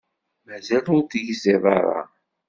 Mazal ur tegziḍ ara.